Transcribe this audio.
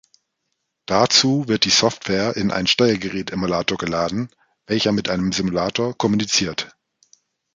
Dazu wird die Software in einen Steuergeräte-Emulator geladen, welcher mit einem Simulator kommuniziert.